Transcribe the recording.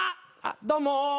どうも。